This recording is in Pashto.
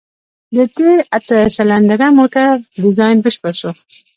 د دې اته سلنډره موټر ډيزاين بشپړ شو.